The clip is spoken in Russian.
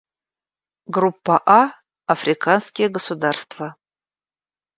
Группа А — Африканские государства.